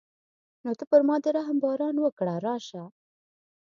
نو ته پر ما د رحم باران وکړه راشه.